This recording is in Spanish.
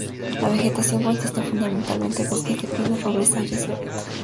La vegetación consiste fundamentalmente en bosques de pinos, robles, hayas y abetos.